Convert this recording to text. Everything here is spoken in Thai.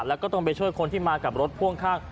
แล้วก็ต้องไปช่วยคนที่มากับรถพ่วงข้าง